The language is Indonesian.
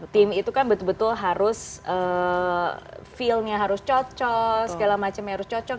tim itu kan betul betul harus feelnya harus cocok segala macamnya harus cocok